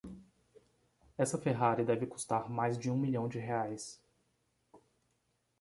Essa Ferrari deve custar mais de um milhão de reais.